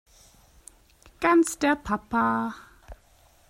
Ganz der Papa!